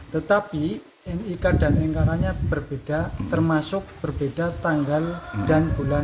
tetapi nik dan nik nya berbeda termasuk berbeda tanggal dan bulan